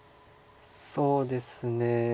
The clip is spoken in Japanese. そうですね。